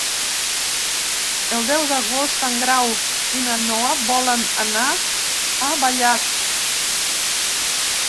El deu d'agost en Grau i na Noa volen anar a Vallat.